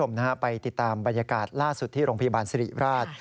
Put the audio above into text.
คุณผู้ชมนะฮะไปติดตามบรรยากาศล่าสุดที่โรงพยาบาลสิริราช